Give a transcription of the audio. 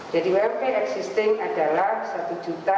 jadi ump existing adalah rp satu